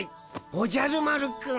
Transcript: おじゃる丸くん。